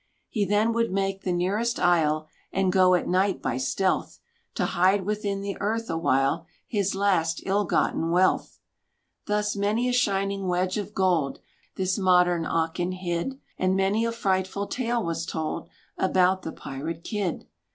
He then would make the nearest isle. And go at night by stealth, To hide within the earth awhile His last ill gotten wealth. Thus, many a shining wedge of gold This modern Achan hid; And many a frightful tale was told About the pirate, Kidd.